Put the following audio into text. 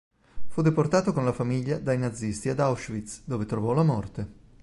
Fu deportato con la famiglia dai nazisti ad Auschwitz, dove trovò la morte.